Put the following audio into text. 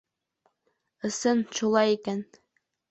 Ысын шулай икән!